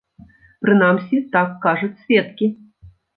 Прынамсі, так кажуць сведкі.